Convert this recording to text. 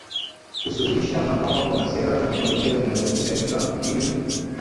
kusuhulisha na kwamba kuna sera na teknolojia zinazohitajika ili